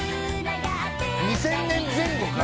２０００年前後か。